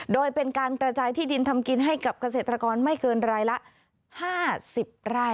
โดยเป็นการกระจายที่ดินทำกินให้กับเกษตรกรไม่เกินรายละ๕๐ไร่